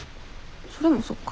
それもそっか。